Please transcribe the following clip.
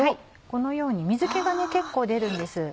このように水気が結構出るんです。